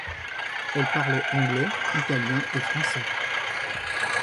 Elle parlait anglais, italien et français.